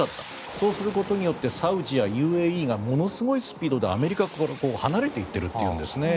そうすることによってサウジやＵＡＥがものすごいスピードでアメリカから離れていっているというんですね。